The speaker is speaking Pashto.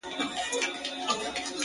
دا ستا خبري مي د ژوند سرمايه.